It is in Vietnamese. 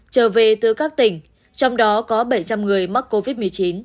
trở về từ các tỉnh trong đó có bảy trăm linh người mắc covid một mươi chín